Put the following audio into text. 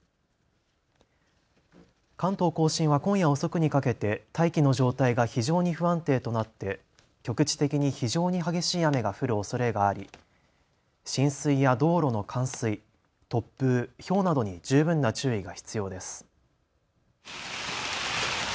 関東甲信は今夜遅くにかけて大気の状態が非常に不安定となって局地的に非常に激しい雨が降るおそれがあり浸水や道路の冠水、突風、ひょうなどに十分な注意が必要です。